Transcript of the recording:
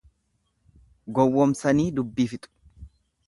Gowwomsanii dubbii fixu.